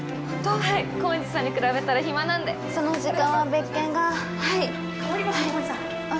はい高円寺さんに比べたら暇なんでその時間は別件がはい代わります桃井さん